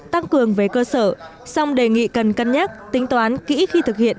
tăng cường về cơ sở song đề nghị cần cân nhắc tính toán kỹ khi thực hiện